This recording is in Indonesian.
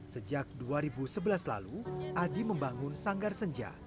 sejak dua ribu sebelas lalu adi membangun sanggar senja